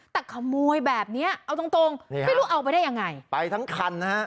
แต่ขโมยแบบเนี้ยเอาตรงตรงไม่รู้เอาไปได้ยังไงไปทั้งคันนะฮะ